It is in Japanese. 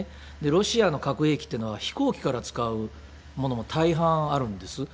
ロシアの核兵器というのは、飛行機から使うものも大半あるんです。